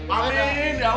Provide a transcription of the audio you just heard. amin ya allah